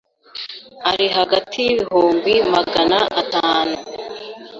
ari hagati y’ibihumbi Magana atatu